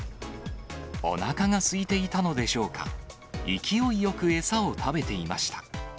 おなかがすいていたのでしょうか、勢いよく餌を食べていました。